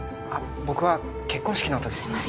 僕は結婚式の時にすいません